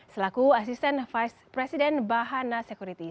selaku asisten vice president bahana security